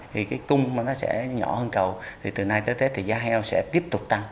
thì cái cung mà nó sẽ nhỏ hơn cầu thì từ nay tới tết thì giá heo sẽ tiếp tục tăng